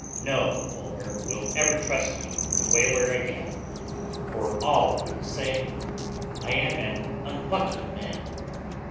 No owner will ever trust me with a whaler again, for all will say I am an unlucky man.'